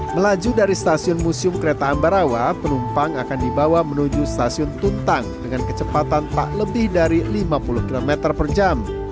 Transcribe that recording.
melaju dari stasiun museum kereta ambarawa penumpang akan dibawa menuju stasiun tuntang dengan kecepatan tak lebih dari lima puluh km per jam